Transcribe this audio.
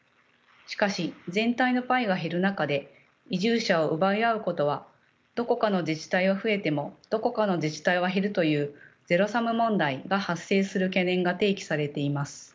しかし全体のパイが減る中で移住者を奪い合うことはどこかの自治体は増えてもどこかの自治体は減るというゼロサム問題が発生する懸念が提起されています。